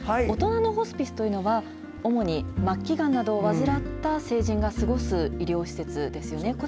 大人のホスピスというのは、主に末期がんなどを患った成人が過ごす医療施設ですよね。